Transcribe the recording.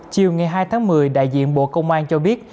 chiều ngày hai tháng một mươi đại diện bộ công an cho biết